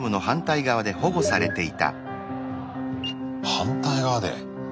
反対側で。